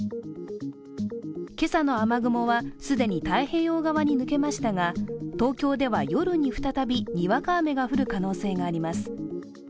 今朝の雨雲は既に太平洋側に抜けましたが、東京では夜に再びにわか雨が降る可能性があります。